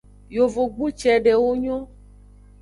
Yovogbu cedewo nyon.